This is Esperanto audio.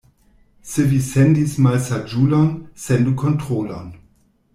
Se vi sendis malsaĝulon, sendu kontrolon.